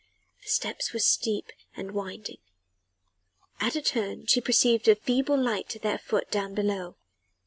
The stairs were steep and winding at a turn she perceived a feeble light at their foot down below.